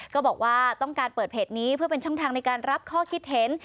ก็บอกว่าต้องการเปิดเพจนี้เพื่อเป็นช่องทางในการรับข้อคิดเห็น